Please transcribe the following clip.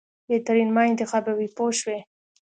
بهترین ما انتخابوي پوه شوې!.